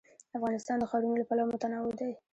افغانستان د ښارونه له پلوه متنوع دی.